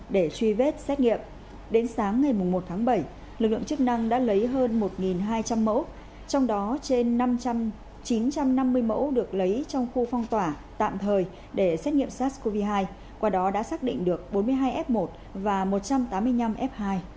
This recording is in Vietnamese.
để truy vết xét nghiệm đến sáng ngày một tháng bảy lực lượng chức năng đã lấy hơn một hai trăm linh mẫu trong đó trên chín trăm năm mươi mẫu được lấy trong khu phong tỏa tạm thời để xét nghiệm sars cov hai qua đó đã xác định được bốn mươi hai f một và một trăm tám mươi năm f hai